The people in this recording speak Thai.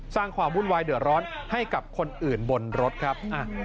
สร้างความวุ่นวายเดือดร้อนให้กับคนอื่นบนรถครับ